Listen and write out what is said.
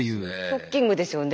ショッキングですよね。